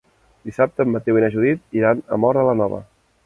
Dissabte en Mateu i na Judit iran a Móra la Nova.